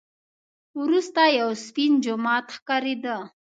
وروسته یو سپین جومات ښکارېده.